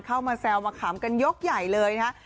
เข้ามาแซวมาขำกันยกใหญ่เลยนะฮะ